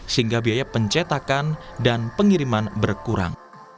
sehingga biaya pencetakan dan pengiriman berkurang